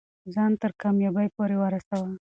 ځان تر کامیابۍ پورې ورسوه.